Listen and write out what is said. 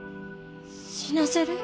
死なせる？